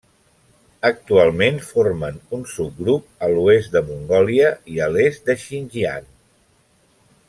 Actualment formen un subgrup a l'oest de Mongòlia i a l'est de Xinjiang.